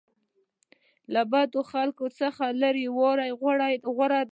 له بدو خلکو څخه لرې والی غوره دی.